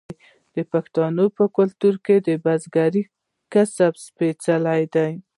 د پښتنو په کلتور کې د بزګرۍ کسب سپیڅلی دی.